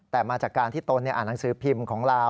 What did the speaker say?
แต่มาจากการที่ตนอ่านหนังสือพิมพ์ของลาว